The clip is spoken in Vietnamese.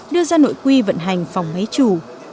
đưa ra nội quy vận hành phòng máy chủ